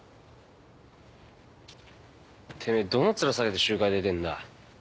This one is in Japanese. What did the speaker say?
てめえどの面下げて集会出てんだ。